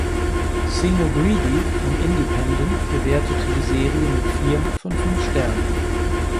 Sean O’Grady vom "Independent" bewertete die Serie mit vier von fünf Sternen.